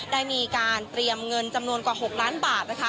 ได้มีการเตรียมเงินจำนวนกว่า๖ล้านบาทนะคะ